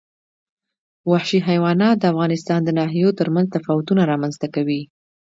وحشي حیوانات د افغانستان د ناحیو ترمنځ تفاوتونه رامنځ ته کوي.